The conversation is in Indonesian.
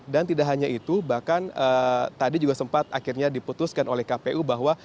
dan tidak hanya itu bahkan tadi juga sempat akhirnya diputuskan oleh kpu bahwa